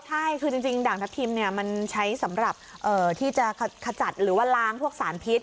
ใช่คือจริงด่างทัพทิมมันใช้สำหรับที่จะขจัดหรือว่าล้างพวกสารพิษ